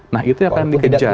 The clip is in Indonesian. nah itu akan dikejar